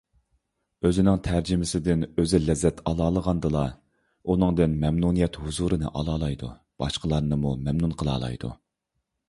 ئۆزىنىڭ تەرجىمىسىدىن ئۆزى لەززەت ئالالىغاندىلا، ئۇنىڭدىن مەمنۇنىيەت ھۇزۇرىنى ئالالايدۇ، باشقىلارنىمۇ مەمنۇن قىلالايدۇ.